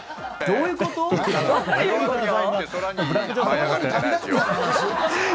どういうこと？